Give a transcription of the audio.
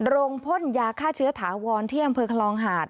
พ่นยาฆ่าเชื้อถาวรที่อำเภอคลองหาด